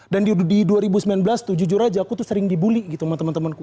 dan di dua ribu sembilan belas tuh jujur aja aku tuh sering dibully gitu sama temanku